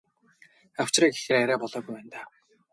Авчиръя гэхээр арай болоогүй байна даа.